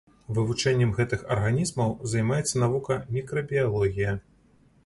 Вывучэннем гэтых арганізмаў займаецца навука мікрабіялогія.